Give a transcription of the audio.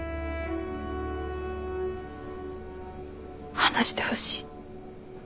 話してほしい。